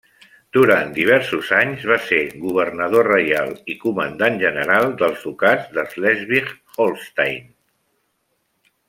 Durant diversos anys, va ser governador reial i comandant general dels ducats de Slesvig-Holstein.